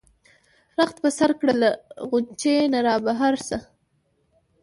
رخت په سر کړه له غُنچې نه را بهر شه.